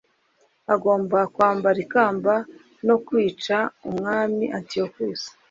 agomba kwambara ikamba no kwica umwami antiyokusi